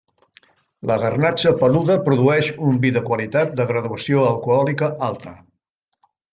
La garnatxa peluda produeix un vi de qualitat de graduació alcohòlica alta.